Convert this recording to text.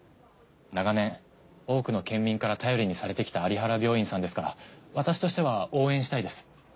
長年多くの県民から頼りにされてきた有原病院さんですから私としては応援したいです。